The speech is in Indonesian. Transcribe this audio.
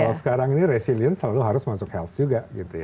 kalau sekarang ini resilient selalu harus masuk health juga gitu ya